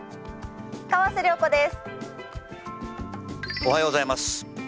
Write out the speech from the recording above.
おはようございます。